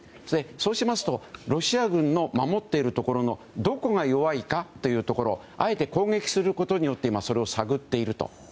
そうしますとロシア軍の守っているところのどこが弱いかというところをあえて攻撃することによってそれを探っていると。